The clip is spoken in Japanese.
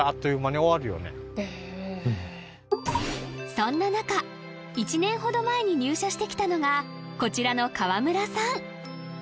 そんな中１年ほど前に入社してきたのがこちらの河村さん